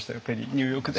ニューヨークで。